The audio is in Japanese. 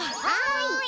はい。